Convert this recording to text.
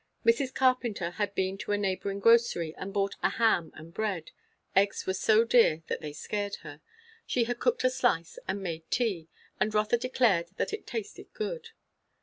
Mrs. Carpenter had been to a neighbouring grocery and bought a ham and bread; eggs were so dear that they scared her; she had cooked a slice and made tea, and Rotha declared that it tasted good.